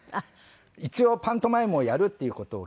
一応パントマイムをやるっていう事を決めて。